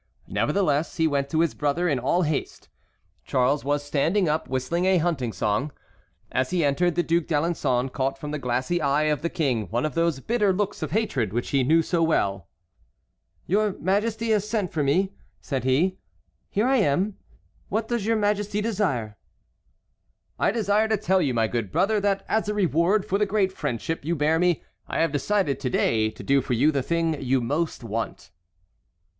Nevertheless, he went to his brother in all haste. Charles was standing up, whistling a hunting song. As he entered, the Duc d'Alençon caught from the glassy eye of the King one of those bitter looks of hatred which he knew so well. "Your Majesty has sent for me," said he. "Here I am; what does your Majesty desire?" "I desire to tell you, my good brother, that as a reward for the great friendship you bear me I have decided to day to do for you the thing you most want."